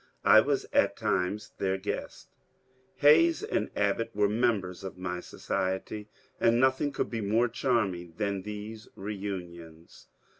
I was at times their guest, — Hayes and Abbot were members of my society, — and nothing could be more charming than these reunions.